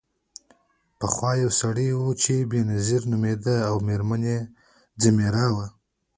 پخوا یو سړی و چې بینظیر نومیده او میرمن یې ځمیرا وه.